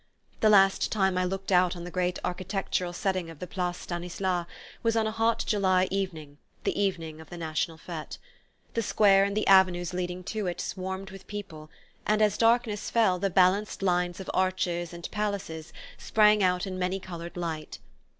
The last time I looked out on the great architectural setting of the Place Stanislas was on a hot July evening, the evening of the National Fete. The square and the avenues leading to it swarmed with people, and as darkness fell the balanced lines of arches and palaces sprang out in many coloured light.